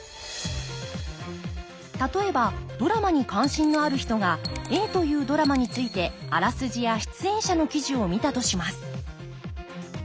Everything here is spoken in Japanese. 例えばドラマに関心のある人がＡというドラマについてあらすじや出演者の記事を見たとします。